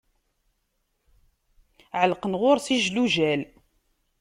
Ɛelqen ɣer-s ijlujal.